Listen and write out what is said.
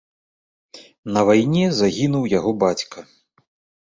На вайне загінуў яго бацька.